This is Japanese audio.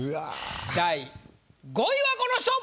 第５位はこの人！